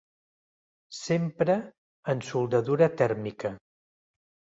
S'empra en soldadura tèrmica.